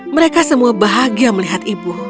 mereka semua bahagia melihat ibu